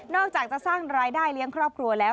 อกจากจะสร้างรายได้เลี้ยงครอบครัวแล้ว